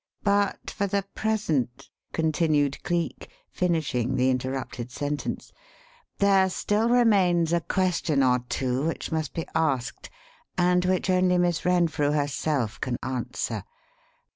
" But for the present," continued Cleek, finishing the interrupted sentence, "there still remains a question or two which must be asked, and which only Miss Renfrew herself can answer.